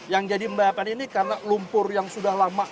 yang jadi membahayakan ini karena lumpur yang sudah lama